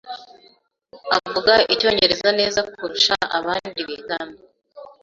Avuga Icyongereza neza kurusha abandi bigana.